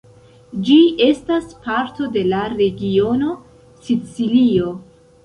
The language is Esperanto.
Ĝi estas parto de la regiono Sicilio.